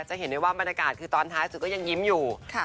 จะเห็นได้ว่าบรรยากาศคือตอนท้ายสุดก็ยังยิ้มอยู่